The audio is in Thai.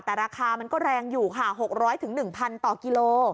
แต่ราคามันก็แรงอยู่ค่ะ๖๐๐๑๐๐ต่อกิโล